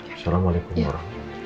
assalamualaikum bu rosa